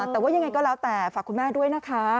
แต่ว่ายังไงก็แล้วแต่ฝากคุณแม่ด้วยนะคะ